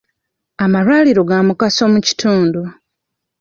Amalwaliro ga mugaso mu kitundu.